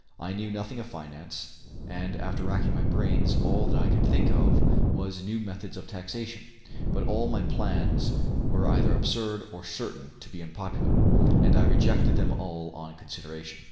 I knew nothing of finance, and after racking my brains all that I could think of was new methods of taxation; but all my plans were either absurd or certain to be unpopular, and I rejected them all on consideration.